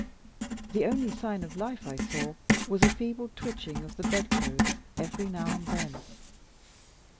The only sign of life I saw, was a feeble twitching of the bed clothes, every now and then.